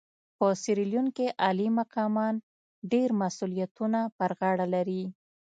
په سیریلیون کې عالي مقامان ډېر مسوولیتونه پر غاړه لري.